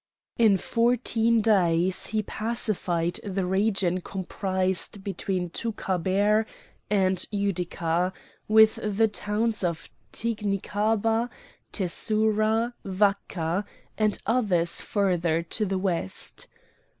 In fourteen days he pacified the region comprised between Thouccaber and Utica, with the towns of Tignicabah, Tessourah, Vacca, and others further to the west.